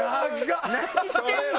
何してんの？